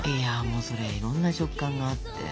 それいろんな食感があって。